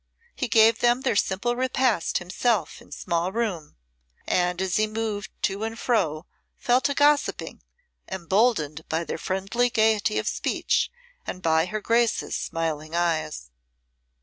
He gave them their simple repast himself in small room, and as he moved to and fro fell to gossiping, emboldened by their friendly gayety of speech and by her Grace's smiling eyes.